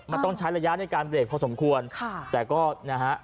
มันต้องใช้ระยะในการเบรกพอสมควรค่ะแต่ก็นะฮะ